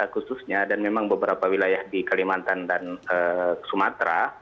khususnya dan memang beberapa wilayah di kalimantan dan sumatera